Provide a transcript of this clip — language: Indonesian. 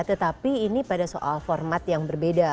tetapi ini pada soal format yang berbeda